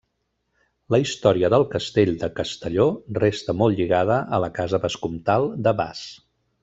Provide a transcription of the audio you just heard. La història del castell de Castelló resta molt lligada a la casa vescomtal de Bas.